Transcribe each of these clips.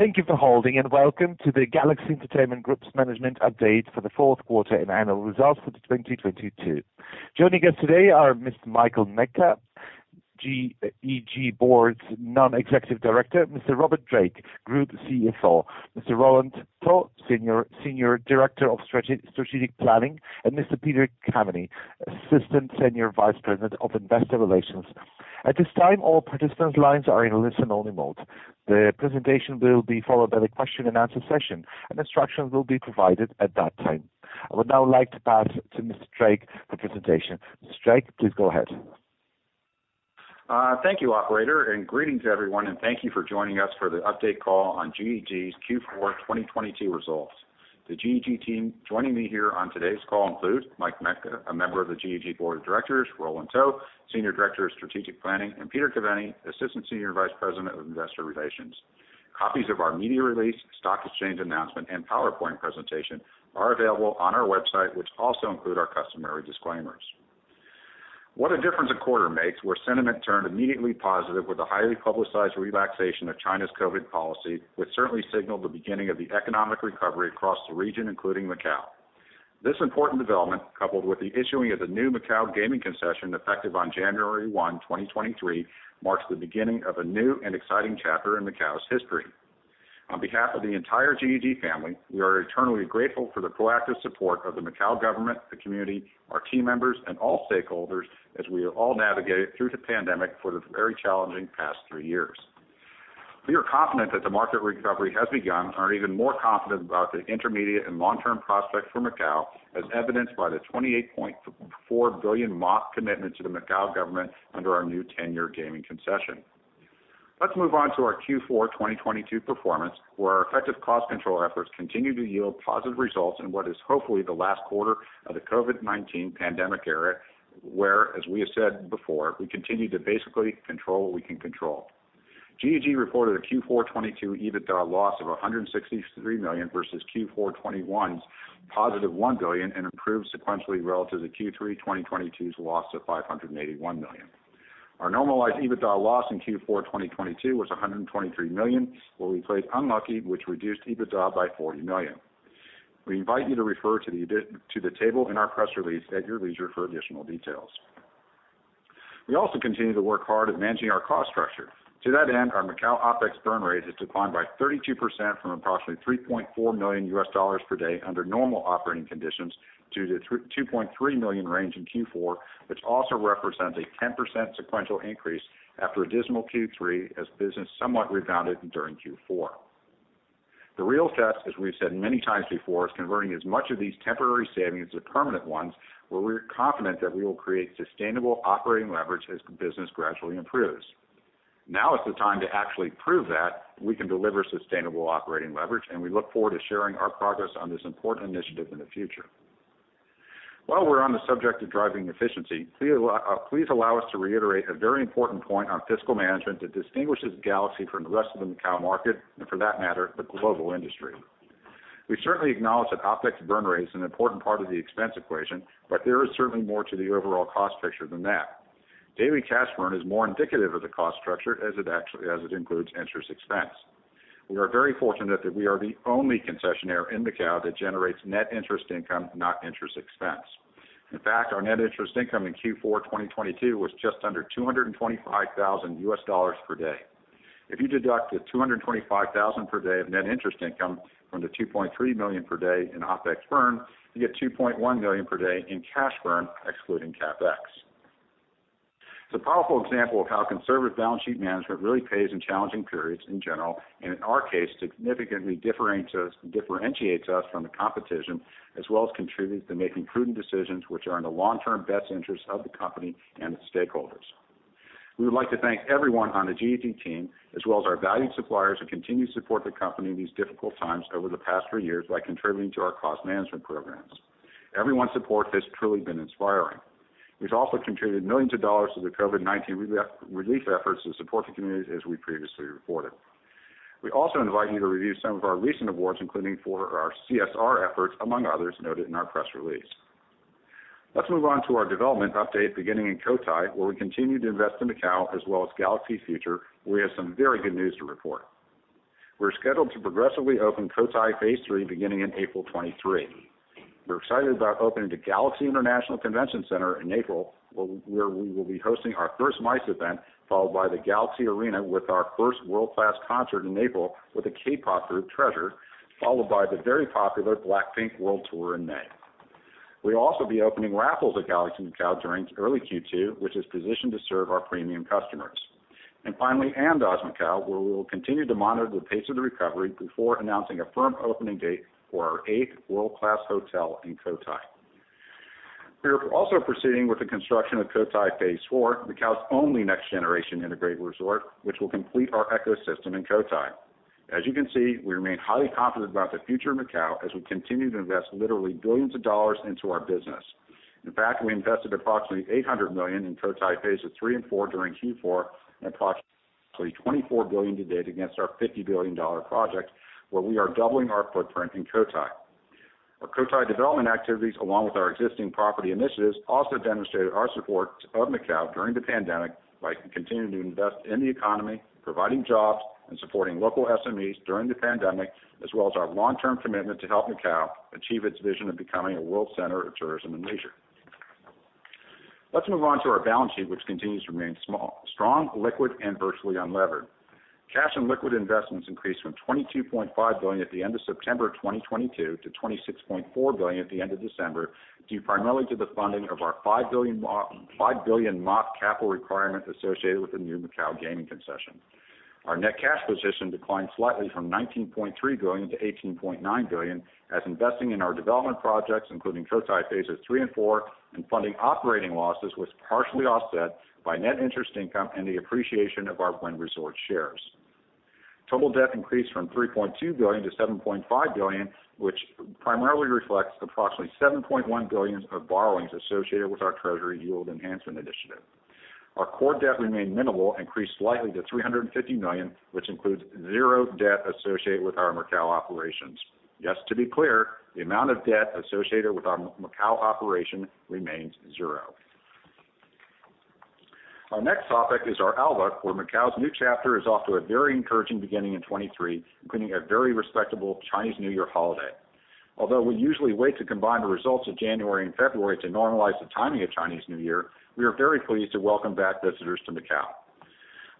Thank you for holding and welcome to the Galaxy Entertainment Group's management update for the Q4 and annual results for 2022. Joining us today are Mr. Michael Mecca, GEG Board's Non-executive Director, Mr. Robert Drake, Group CFO, Mr. Roland To, Senior Director of Strategic Planning, and Mr. Peter Caveny, Assistant Senior Vice President of Investor Relations. At this time, all participants' lines are in listen-only mode. The presentation will be followed by the question and answer session. Instructions will be provided at that time. I would now like to pass to Mr. Drake for presentation. Mr. Drake, please go ahead. Thank you, operator, and greetings, everyone, and thank you for joining us for the update call on GEG's Q4 2022 results. The GEG team joining me here on today's call include Michael Mecca, a member of the GEG Board of Directors, Roland To, Senior Director of Strategic Planning, and Peter Caveny, Assistant Senior Vice President of Investor Relations. Copies of our media release, stock exchange announcement, and PowerPoint presentation are available on our website, which also include our customary disclaimers. What a difference a quarter makes, where sentiment turned immediately positive with a highly publicized relaxation of China's COVID-19 policy, which certainly signaled the beginning of the economic recovery across the region, including Macao. This important development, coupled with the issuing of the new Macao gaming concession effective on January 1, 2023, marks the beginning of a new and exciting chapter in Macao's history. On behalf of the entire GEG family, we are eternally grateful for the proactive support of the Macao government, the community, our team members, and all stakeholders as we are all navigated through the pandemic for the very challenging past three years. We are confident that the market recovery has begun and are even more confident about the intermediate and long-term prospects for Macao, as evidenced by the MOP 28.4 billion commitment to the Macao government under our new 10-year gaming concession. Let's move on to our Q4 2022 performance, where our effective cost control efforts continue to yield positive results in what is hopefully the last quarter of the COVID-19 pandemic era, where, as we have said before, we continue to basically control what we can control. GEG reported a Q4 2022 EBITDA loss of 163 million versus Q4 2021's positive 1 billion and improved sequentially relative to Q3 2022's loss of 581 million. Our normalized EBITDA loss in Q4 2022 was 123 million, where we played unlucky, which reduced EBITDA by 40 million. We invite you to refer to the table in our press release at your leisure for additional details. We also continue to work hard at managing our cost structure. To that end, our Macao OPEX burn rate has declined by 32% from approximately $3.4 million per day under normal operating conditions to the $2.3 million range in Q4, which also represents a 10% sequential increase after a dismal Q3 as business somewhat rebounded during Q4. The real test, as we've said many times before, is converting as much of these temporary savings to permanent ones, where we're confident that we will create sustainable operating leverage as business gradually improves. Now is the time to actually prove that we can deliver sustainable operating leverage, and we look forward to sharing our progress on this important initiative in the future. While we're on the subject of driving efficiency, please allow us to reiterate a very important point on fiscal management that distinguishes Galaxy from the rest of the Macao market and for that matter, the global industry. We certainly acknowledge that OPEX burn rate is an important part of the expense equation, but there is certainly more to the overall cost picture than that. Daily cash burn is more indicative of the cost structure as it includes interest expense. We are very fortunate that we are the only concessionaire in Macau that generates net interest income, not interest expense. In fact, our net interest income in Q4 2022 was just under $225,000 per day. If you deduct the $225,000 per day of net interest income from the $2.3 million per day in OPEX burn, you get $2.1 million per day in cash burn, excluding CapEx. It's a powerful example of how conservative balance sheet management really pays in challenging periods in general, and in our case, significantly differentiates us from the competition, as well as contributes to making prudent decisions which are in the long-term best interest of the company and its stakeholders. We would like to thank everyone on the GEG team, as well as our valued suppliers who continue to support the company in these difficult times over the past three years by contributing to our cost management programs. Everyone's support has truly been inspiring. We've also contributed millions of dollars to the COVID-19 relief efforts to support the community as we previously reported. We also invite you to review some of our recent awards, including for our CSR efforts, among others, noted in our press release. Let's move on to our development update beginning in Cotai, where we continue to invest in Macao as well as Galaxy's future. We have some very good news to report. We're scheduled to progressively open Cotai Phase III beginning in April 2023. We're excited about opening the Galaxy International Convention Center in April, where we will be hosting our first MICE event, followed by the Galaxy Arena with our first world-class concert in April with the K-pop group TREASURE, followed by the very popular BLACKPINK World Tour in May. We'll also be opening Raffles at Galaxy Macau during early Q2, which is positioned to serve our premium customers. Finally, Andaz Macau, where we will continue to monitor the pace of the recovery before announcing a firm opening date for our eighth world-class hotel in Cotai. We are also proceeding with the construction of Cotai Phase IV, Macau's only next-generation integrated resort, which will complete our ecosystem in Cotai. As you can see, we remain highly confident about the future of Macau as we continue to invest literally billions of dollars into our business. In fact, we invested approximately $800 million in Cotai Phases III and IV during Q4 and approximately $24 billion to date against our $50 billion project, where we are doubling our footprint in Cotai. Cotai development activities, along with our existing property initiatives, also demonstrated our support of Macao during the pandemic by continuing to invest in the economy, providing jobs, and supporting local SMEs during the pandemic, as well as our long-term commitment to help Macao achieve its vision of becoming a world center of tourism and leisure. Let's move on to our balance sheet, which continues to remain strong, liquid, and virtually unlevered. Cash and liquid investments increased from 22.5 billion at the end of September 2022 to 26.4 billion at the end of December, due primarily to the funding of our five billion MOP capital requirement associated with the new Macau gaming concession. Our net cash position declined slightly from 19.3 billion to 18.9 billion, as investing in our development projects, including Cotai Phases III and IV, and funding operating losses was partially offset by net interest income and the appreciation of our Wynn Resorts shares. Total debt increased from 3.2 billion to 7.5 billion, which primarily reflects approximately 7.1 billion of borrowings associated with our treasury yield enhancement initiative. Our core debt remained minimal, increased slightly to 350 million, which includes zero debt associated with our Macau operations. Yes, to be clear, the amount of debt associated with our Macao operation remains zero. Our next topic is our ALBA, where Macao's new chapter is off to a very encouraging beginning in 2023, including a very respectable Chinese New Year holiday. We usually wait to combine the results of January and February to normalize the timing of Chinese New Year, we are very pleased to welcome back visitors to Macao.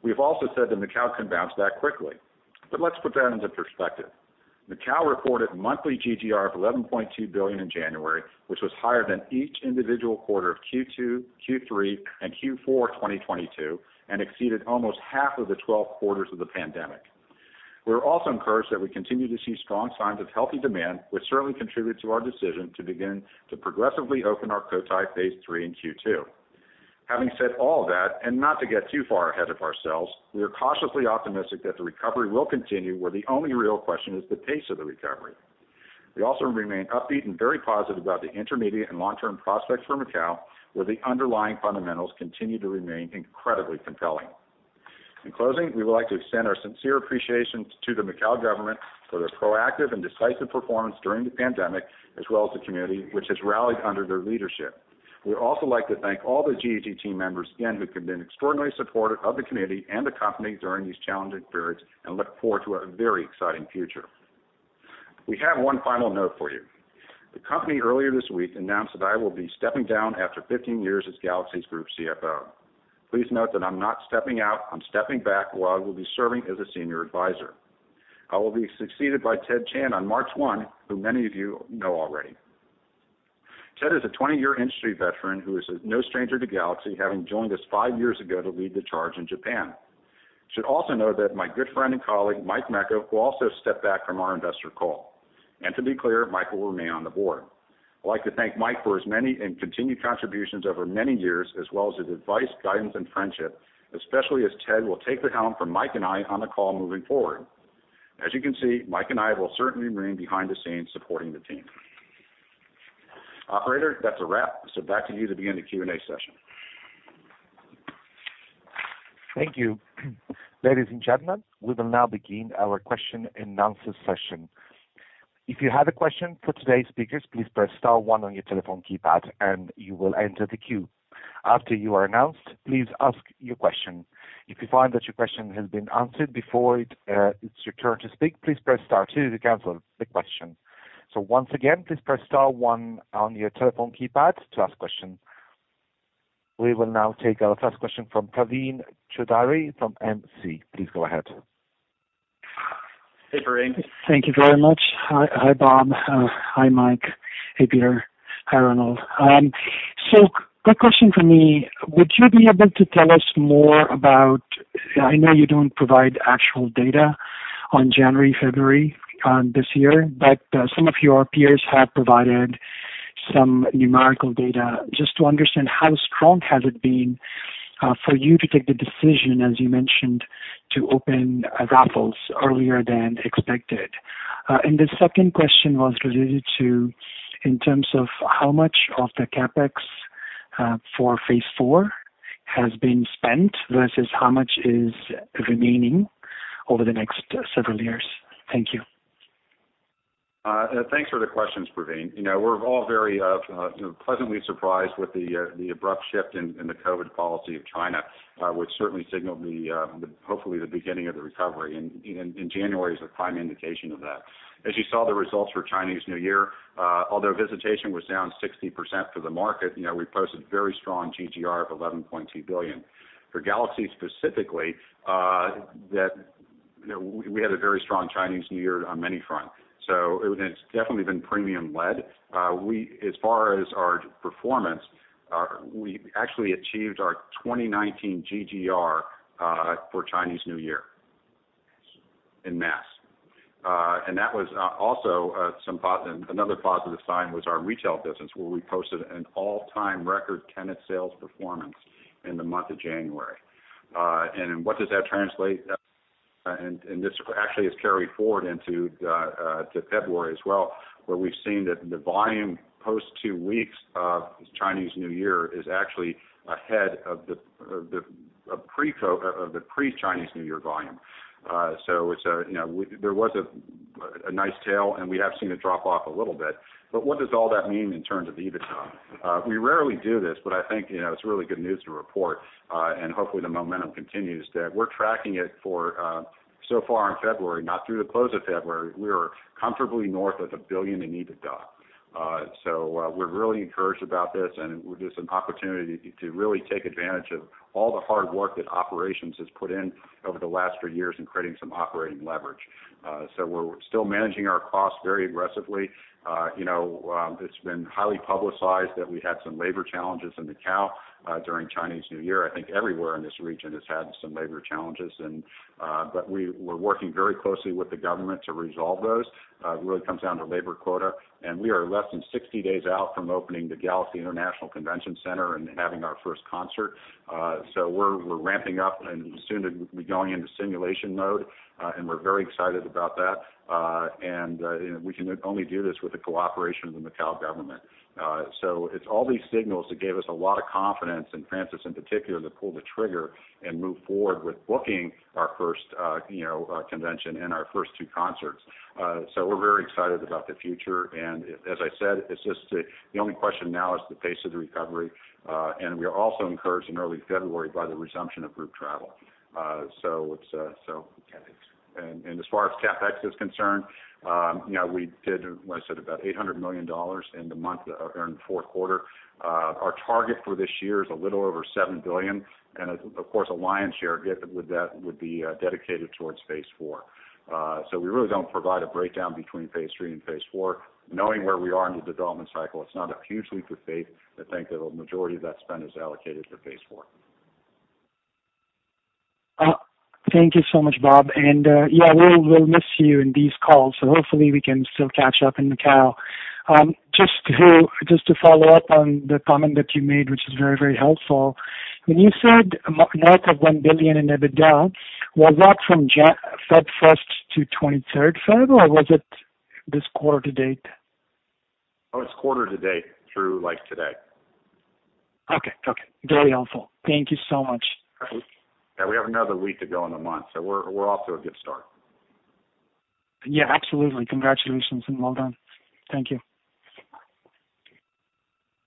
We have also said that Macao can bounce back quickly, let's put that into perspective. Macao reported monthly GGR of 11.2 billion in January, which was higher than each individual quarter of Q2, Q3, and Q4 2022, and exceeded almost half of the 12 quarters of the pandemic. We're also encouraged that we continue to see strong signs of healthy demand, which certainly contribute to our decision to begin to progressively open our Cotai Phase III in Q2. Having said all that, and not to get too far ahead of ourselves, we are cautiously optimistic that the recovery will continue, where the only real question is the pace of the recovery. We also remain upbeat and very positive about the intermediate and long-term prospects for Macao, where the underlying fundamentals continue to remain incredibly compelling. In closing, we would like to extend our sincere appreciation to the Macao government for their proactive and decisive performance during the pandemic, as well as the community which has rallied under their leadership. We'd also like to thank all the GEG team members, again, who have been extraordinarily supportive of the community and the company during these challenging periods and look forward to a very exciting future. We have one final note for you. The company earlier this week announced that I will be stepping down after 15 years as Galaxy's Group CFO. Please note that I'm not stepping out, I'm stepping back, while I will be serving as a senior advisor. I will be succeeded by Ted Chan on March one, who many of you know already. Ted is a 20-year industry veteran who is no stranger to Galaxy, having joined us five years ago to lead the charge in Japan. You should also know that my good friend and colleague, Mike Mecca, will also step back from our investor call. To be clear, Mike will remain on the board. I'd like to thank Mike for his many and continued contributions over many years, as well as his advice, guidance, and friendship, especially as Ted will take the helm from Mike and I on the call moving forward. As you can see, Mike and I will certainly remain behind the scenes supporting the team. Operator, that's a wrap. Back to you to begin the Q&A session. Thank you. Ladies and gentlemen, we will now begin our question and answer session. If you have a question for today's speakers, please press star one on your telephone keypad and you will enter the queue. After you are announced, please ask your question. If you find that your question has been answered before it's your turn to speak, please press star two to cancel the question. Once again, please press star one on your telephone keypad to ask question. We will now take our first question from Praveen Choudhary from Morgan Stanley. Please go ahead. Hey, Drake. Thank you very much. Hi, hi, Rob. Hi, Mike. Hey, Peter. Hi, Roland. Quick question for me. Would you be able to tell us more about I know you don't provide actual data on January, February this year, but some of your peers have provided some numerical data just to understand how strong has it been for you to take the decision, as you mentioned, to open Raffles earlier than expected. The second question was related to in terms of how much of the CapEx for phase IV has been spent versus how much is remaining over the next several years. Thank you. Thanks for the questions, Praveen. You know, we're all very, you know, pleasantly surprised with the abrupt shift in the COVID policy of China, which certainly signaled the hopefully the beginning of the recovery. January is a prime indication of that. As you saw the results for Chinese New Year, although visitation was down 60% for the market, you know, we posted very strong GGR of 11.2 billion. For Galaxy specifically, that, you know, we had a very strong Chinese New Year on many fronts. It's definitely been premium led. As far as our performance, we actually achieved our 2019 GGR for Chinese New Year in mass. That was also another positive sign was our retail business, where we posted an all-time record tenant sales performance in the month of January. What does that translate? This actually is carried forward into to February as well, where we've seen that the volume post two weeks of Chinese New Year is actually ahead of the pre-Chinese New Year volume. It's, you know, there was a nice tail, and we have seen it drop off a little bit. What does all that mean in terms of EBITDA? We rarely do this, but I think, you know, it's really good news to report, and hopefully the momentum continues, that we're tracking it for so far in February, not through the close of February. We are comfortably north of 1 billion in EBITDA. We're really encouraged about this, and there's an opportunity to really take advantage of all the hard work that operations has put in over the last three years in creating some operating leverage. We're still managing our costs very aggressively. You know, it's been highly publicized that we had some labor challenges in Macau during Chinese New Year. I think everywhere in this region has had some labor challenges and, but we're working very closely with the government to resolve those. It really comes down to labor quota. We are less than 60 days out from opening the Galaxy International Convention Center and having our first concert. We're ramping up, and soon to be going into simulation mode, and we're very excited about that. And, you know, we can only do this with the cooperation of the Macau government. It's all these signals that gave us a lot of confidence, and Francis in particular, to pull the trigger and move forward with booking our first, you know, convention and our first two concerts. We're very excited about the future. As I said, it's just the only question now is the pace of the recovery. We are also encouraged in early February by the resumption of group travel. So it's. CapEx. As far as CapEx is concerned, you know, we did, as I said, about 800 million dollars in the month or in the Q4. Our target for this year is a little over 7 billion, and of course, the lion's share of it with that would be dedicated towards phase IV. So we really don't provide a breakdown between phase III and phase IV. Knowing where we are in the development cycle, it's not a huge leap of faith to think that a majority of that spend is allocated for phase IV. Thank you so much, Rob. Yeah, we'll miss you in these calls, so hopefully we can still catch up in Macau. Just to follow up on the comment that you made, which is very, very helpful. When you said north of 1 billion in EBITDA, was that from February 1st to February 23rd, or was it this quarter to date? Oh, it's quarter to date, through, like, today. Okay. Okay. Very helpful. Thank you so much. Yeah, we have another week to go in the month, so we're off to a good start. Yeah, absolutely. Congratulations, and well done. Thank you.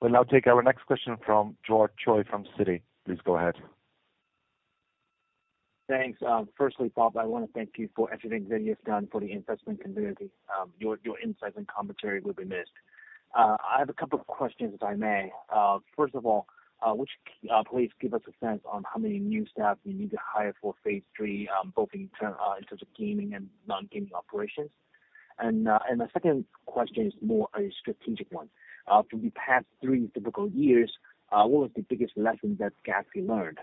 We'll now take our next question from George Choi from Citi. Please go ahead. Thanks. Firstly, Rob, I wanna thank you for everything that you've done for the investment community. Your insights and commentary will be missed. I have a couple of questions, if I may. First of all, would you please give us a sense on how many new staff you need to hire for phase III, both in terms of gaming and non-gaming operations? The second question is more a strategic one. From the past three difficult years, what was the biggest lesson that Galaxy learned?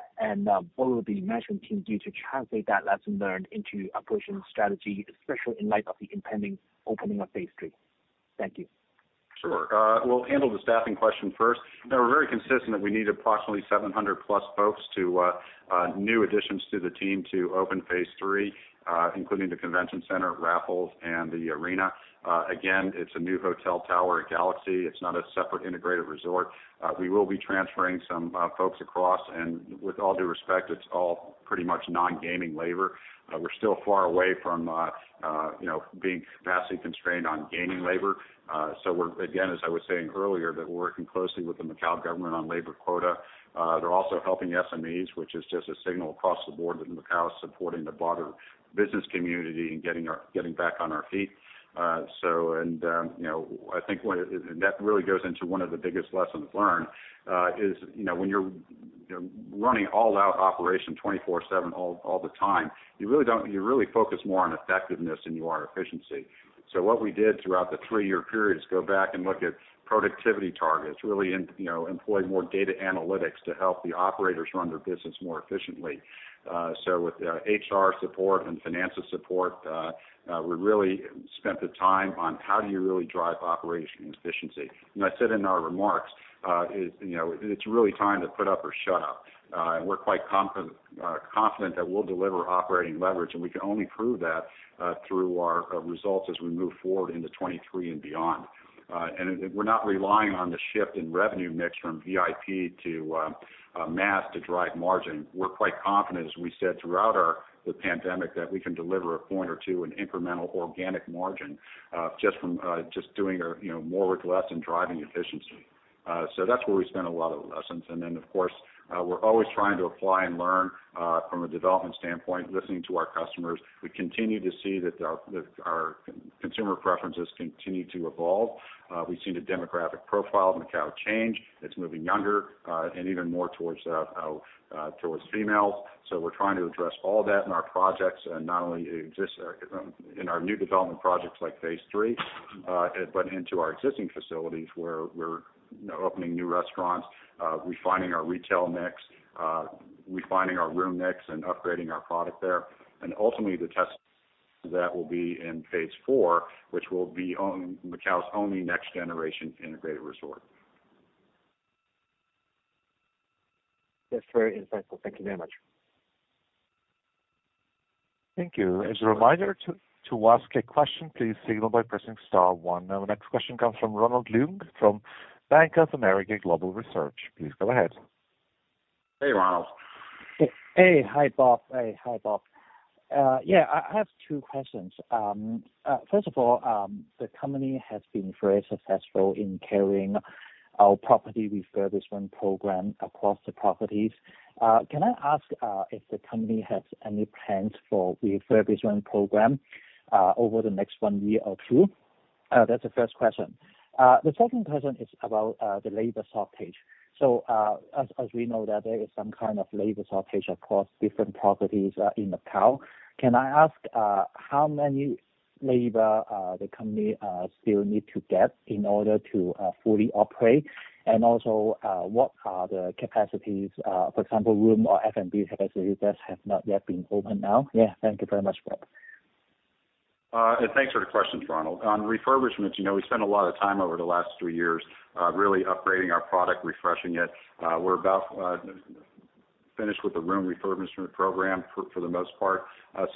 What will the management team do to translate that lesson learned into operational strategy, especially in light of the impending opening of phase III? Thank you. Sure. We'll handle the staffing question first. We're very consistent that we need approximately 700 plus folks to new additions to the team to open phase III, including the convention center, Raffles, and the arena. Again, it's a new hotel tower at Galaxy. It's not a separate integrated resort. We will be transferring some folks across. With all due respect, it's all pretty much non-gaming labor. We're still far away from, you know, being massively constrained on gaming labor. We're, again, as I was saying earlier, that we're working closely with the Macau government on labor quota. They're also helping SMEs, which is just a signal across the board that Macau is supporting the broader business community in getting back on our feet. And, you know, I think and that really goes into one of the biggest lessons learned is, you know, when you're running all-out operation 24/7 all the time, you really focus more on effectiveness than you are on efficiency. What we did throughout the three-year period is go back and look at productivity targets, really, you know, employ more data analytics to help the operators run their business more efficiently. With HR support and financial support, we really spent the time on how do you really drive operational efficiency. I said in our remarks, you know, it's really time to put up or shut up. We're quite confident that we'll deliver operating leverage, and we can only prove that through our results as we move forward into 2023 and beyond. We're not relying on the shift in revenue mix from VIP to mass to drive margin. We're quite confident, as we said throughout the pandemic, that we can deliver a point or two in incremental organic margin, just from doing our, you know, more with less and driving efficiency. That's where we spent a lot of the lessons. Of course, we're always trying to apply and learn from a development standpoint, listening to our customers. We continue to see that our consumer preferences continue to evolve. We've seen the demographic profile of Macau change. It's moving younger, and even more towards females. We're trying to address all that in our projects, and not only exist in our new development projects like phase III, but into our existing facilities, where we're, you know, opening new restaurants, refining our retail mix, refining our room mix, and upgrading our product there. Ultimately, the test that will be in phase IV, which will be Macau's only next generation integrated resort. That's very insightful. Thank you very much. Thank you. As a reminder, to ask a question, please signal by pressing star one. Now the next question comes from Ronald Leung from Bank of America Global Research. Please go ahead. Hey, Ronald. Hi, Rob. Hi, Rob. Yeah, I have two questions. First of all, the company has been very successful in carrying our property refurbishment program across the properties. Can I ask if the company has any plans for refurbishment program over the next one year or two? That's the first question. The second question is about the labor shortage. As we know that there is some kind of labor shortage across different properties in Macau, can I ask how many labor the company still need to get in order to fully operate? Also, what are the capacities, for example, room or F&B capacities that have not yet been opened now? Thank you very much, Rob. Thanks for the questions, Ronald. On refurbishment, you know, we spent a lot of time over the last three years, really upgrading our product, refreshing it. We're about finished with the room refurbishment program for the most part.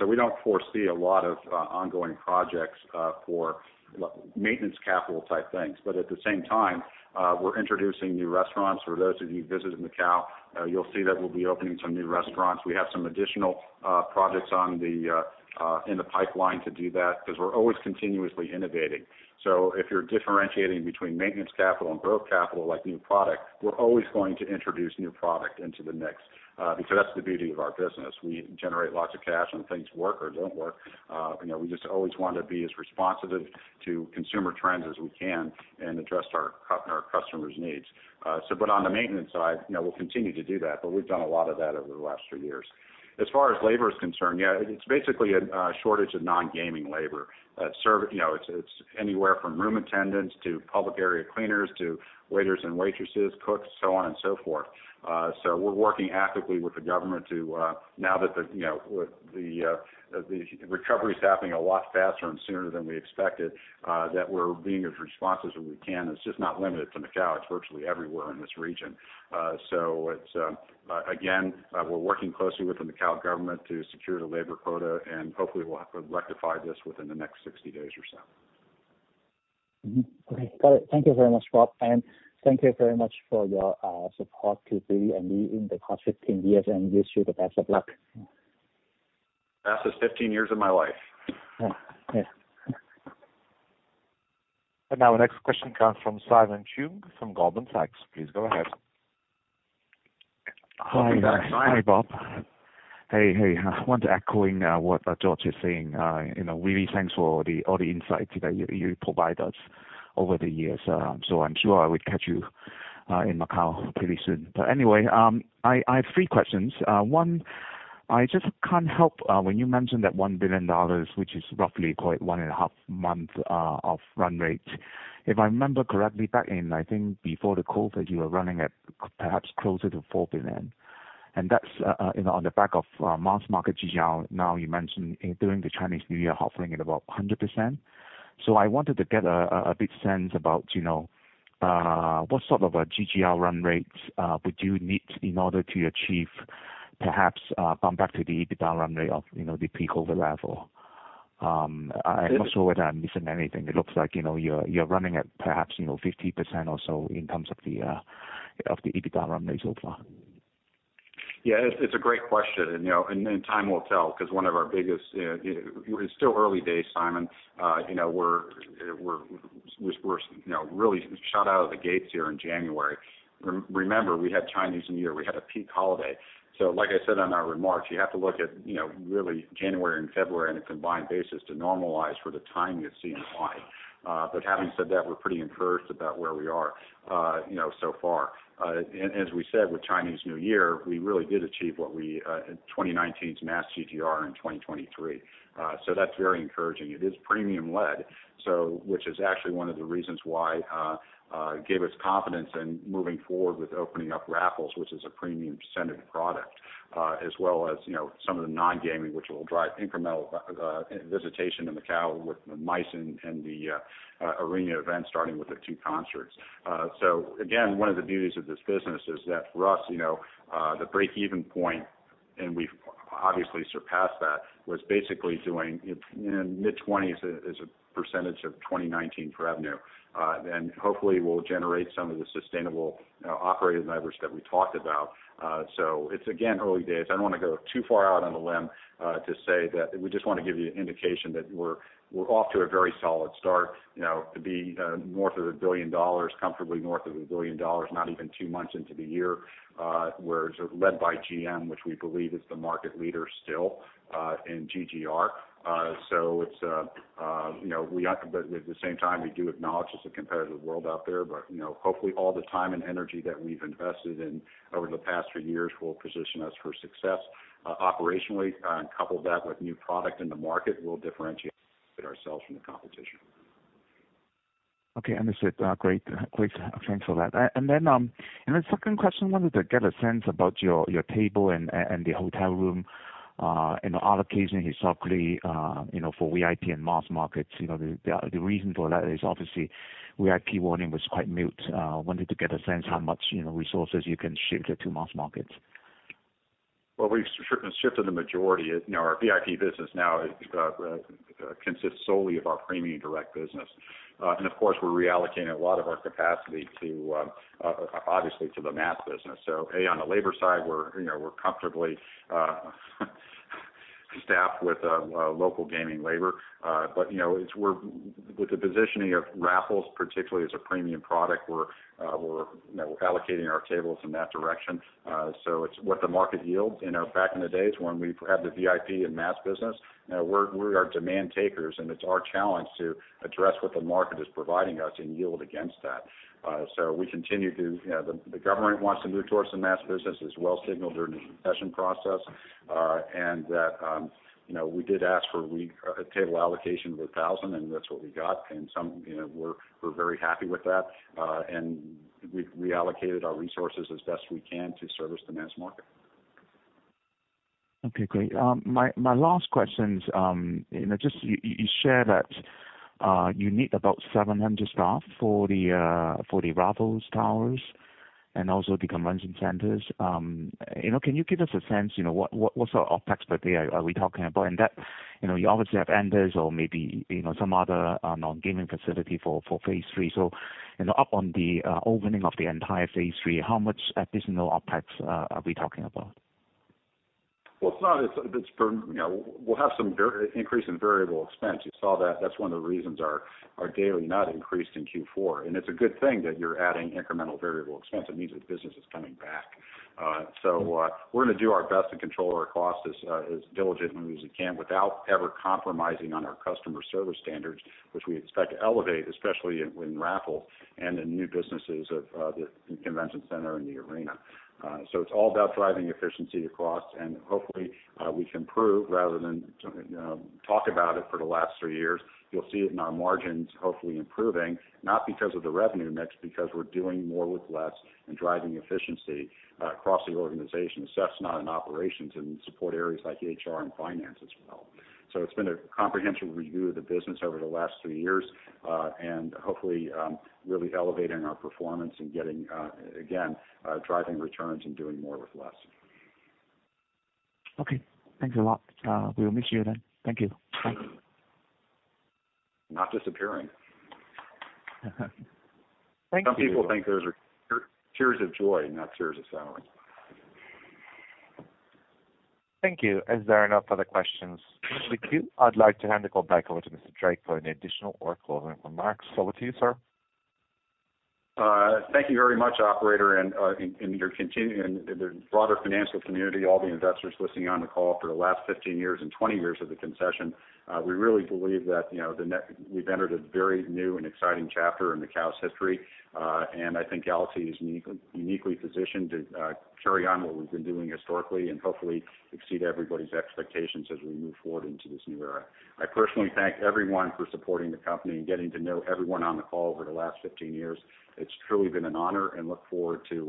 We don't foresee a lot of ongoing projects for maintenance capital type things. At the same time, we're introducing new restaurants. For those of you visiting Macao, you'll see that we'll be opening some new restaurants. We have some additional projects on the in the pipeline to do that, 'cause we're always continuously innovating. If you're differentiating between maintenance capital and growth capital, like new product, we're always going to introduce new product into the mix, because that's the beauty of our business. We generate lots of cash, and things work or don't work. You know, we just always want to be as responsive to consumer trends as we can and address our customers' needs. On the maintenance side, you know, we'll continue to do that, but we've done a lot of that over the last three years. As far as labor is concerned, yeah, it's basically a shortage of non-gaming labor. You know, it's anywhere from room attendants to public area cleaners to waiters and waitresses, cooks, so on and so forth. We're working actively with the government to, now that the, you know, with the recovery is happening a lot faster and sooner than we expected, that we're being as responsive as we can. It's just not limited to Macao, it's virtually everywhere in this region. It's again, we're working closely with the Macao government to secure the labor quota, and hopefully we'll have rectified this within the next 60 days or so. Okay. Got it. Thank you very much, Rob. Thank you very much for your support to me in the past 15 years, and wish you the best of luck. Fastest 15 years of my life. Yeah. Yeah. Now our next question comes from Simon Cheung from Goldman Sachs. Please go ahead. Welcome back, Simon. Hi, Rob. Hey. I want to echo what George Choi is saying. You know, really thanks for all the insights that you provide us over the years. I'm sure I would catch you in Macao pretty soon. Anyway, I have three questions. One, I just can't help when you mentioned that $1 billion, which is roughly, call it, one and a half month of run rate. If I remember correctly, back in, I think, before the COVID-19, you were running at perhaps closer to $4 billion. That's, you know, on the back of mass market GGR. Now, you mentioned during the Chinese New Year, hovering at about 100%. I wanted to get a big sense about, you know, what sort of a GGR run rates would you need in order to achieve, perhaps, come back to the EBITDA run rate of, you know, the pre-COVID level? I'm not sure whether I'm missing anything. It looks like, you know, you're running at perhaps, you know, 50% or so in terms of the EBITDA run rates so far. Yeah. It's a great question, and, you know, and time will tell because one of our biggest. It's still early days, Simon. We're, you know, really shot out of the gates here in January. Remember, we had Chinese New Year, we had a peak holiday. Like I said on our remarks, you have to look at, you know, really January and February on a combined basis to normalize for the timing of CNY. Having said that, we're pretty encouraged about where we are, you know, so far. As we said, with Chinese New Year, we really did achieve what we in 2019's mass GGR in 2023. That's very encouraging. It is premium led, which is actually one of the reasons why gave us confidence in moving forward with opening up Raffles, which is a premium-centered product, as well as, you know, some of the non-gaming which will drive incremental visitation in Macau with the MICE and the arena event starting with the two concerts. Again, one of the beauties of this business is that for us, you know, the break-even point, and we've obviously surpassed that, was basically doing in mid-20s as a % of 2019 revenue. Hopefully we'll generate some of the sustainable operating levers that we talked about. It's again, early days. I don't wanna go too far out on a limb to say that we just want to give you an indication that we're off to a very solid start, you know, to be north of $1 billion, comfortably north of $1 billion, not even two months into the year. We're sort of led by GM, which we believe is the market leader still in GGR. It's, you know, at the same time, we do acknowledge it's a competitive world out there. You know, hopefully all the time and energy that we've invested in over the past few years will position us for success operationally. Couple that with new product in the market, we'll differentiate ourselves from the competition. Okay. Understood. Great. Great. Thanks for that. And then, the second question, I wanted to get a sense about your table and the hotel room, and allocation historically, you know, for VIP and mass markets. You know, the reason for that is obviously VIP warning was quite mute. Wanted to get a sense how much, you know, resources you can shift to mass markets. Well, we've shifted the majority. You know, our VIP business now consists solely of our premium direct business. Of course, we're reallocating a lot of our capacity to obviously to the mass business. A, on the labor side, you know, we're comfortably staffed with local gaming labor. You know, with the positioning of Raffles particularly as a premium product, you know, we're allocating our tables in that direction. It's what the market yields. You know, back in the days when we had the VIP and mass business, you know, we are demand takers, and it's our challenge to address what the market is providing us and yield against that. We continue to, you know, the government wants to move towards the mass business as well signaled during the concession process. That, you know, we did ask for a table allocation of 1,000, and that's what we got. Some, you know, we're very happy with that. We've reallocated our resources as best we can to service the mass market. Okay, great. My last question is, you know, just you shared that you need about 700 staff for the Raffles towers and also the convention centers. You know, can you give us a sense, you know, what sort of OpEx per day are we talking about? That, you know, you obviously have Andaz Macau or maybe, you know, some other non-gaming facility for phase III. You know, up on the opening of the entire phase III, how much additional OpEx are we talking about? Well, it's not as if. You know, we'll have some increase in variable expense. You saw that. That's one of the reasons our daily nut increased in Q4. It's a good thing that you're adding incremental variable expense. It means that business is coming back. We're gonna do our best to control our costs as diligently as we can without ever compromising on our customer service standards, which we expect to elevate, especially in Raffles and in new businesses of the convention center and the arena. It's all about driving efficiency across, and hopefully, we can prove rather than, you know, talk about it for the last three years. You'll see it in our margins, hopefully improving, not because of the revenue mix, because we're doing more with less and driving efficiency across the organization. That's not in operations, in support areas like HR and finance as well. It's been a comprehensive review of the business over the last three years, and hopefully, really elevating our performance and getting, again, driving returns and doing more with less. Okay, thanks a lot. We will miss you then. Thank you. Bye. Not disappearing. Thank you. Some people think those are tears of joy, not tears of sorrow. Thank you. As there are no further questions in the queue, I'd like to hand the call back over to Mr. Drake for any additional or closing remarks. Over to you, sir. Thank you very much, operator, and your continued and the broader financial community, all the investors listening on the call for the last 15 years and 20 years of the concession. We really believe that, you know, we've entered a very new and exciting chapter in Macau's history. I think Galaxy is uniquely positioned to carry on what we've been doing historically and hopefully exceed everybody's expectations as we move forward into this new era. I personally thank everyone for supporting the company and getting to know everyone on the call over the last 15 years. It's truly been an honor and look forward to,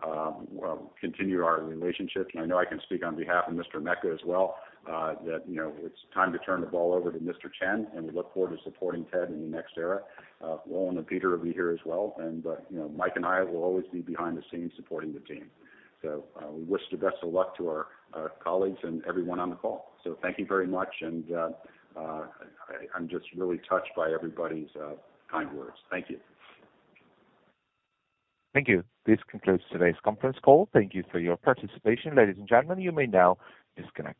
well, continue our relationship. I know I can speak on behalf of Mr. Mecca as well, that, you know, it's time to turn the ball over to Mr. Chen. We look forward to supporting Ted in the next era. Roland and Peter will be here as well, and, you know, Mike and I will always be behind the scenes supporting the team. We wish the best of luck to our colleagues and everyone on the call. Thank you very much. I'm just really touched by everybody's kind words. Thank you. Thank you. This concludes today's conference call. Thank you for your participation. Ladies and gentlemen, you may now disconnect.